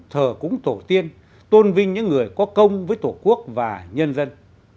thờ cúng tổ tiên tôn vinh những người có công với tổ quốc và nhân dân